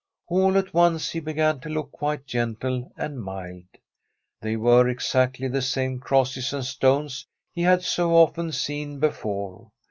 All at once he began to look quite gentle and mild. They were exactly the same crosses and stones he had so often seen before.